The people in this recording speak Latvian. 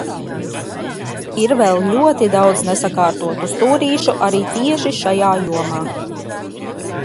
Ir vēl ļoti daudz nesakārtotu stūrīšu arī tieši šajā jomā.